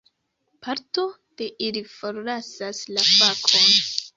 Parto de ili forlasas la fakon.